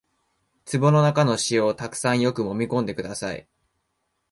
壺の中の塩をたくさんよくもみ込んでください